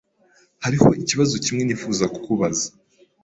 Hariho ikibazo kimwe nifuza kukubaza.